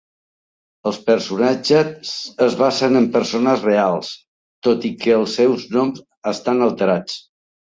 Els personatges es basen en persones reals, tot i que els seus noms estan alterats.